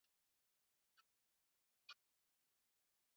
Chakula changu kimeiva